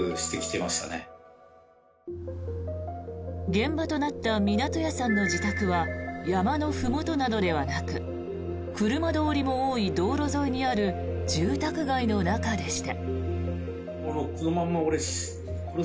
現場となった湊屋さんの自宅は山のふもとではなく車通りも多い、道路沿いにある住宅街の中でした。